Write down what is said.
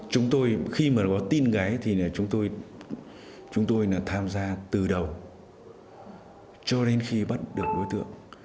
chúng tôi khi mà có tin gái thì là chúng tôi chúng tôi tham gia từ đầu cho đến khi bắt được đối tượng